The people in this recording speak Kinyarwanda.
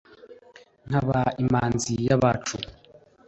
nkaba imanzi y' abacu.